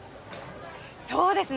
そうですね。